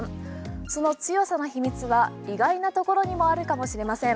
その強さの秘密は意外なところにもあるかもしれません。